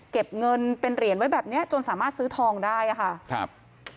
เก็บเงินเป็นเหรียญไว้แบบเนี้ยจนสามารถซื้อทองได้อ่ะค่ะครับ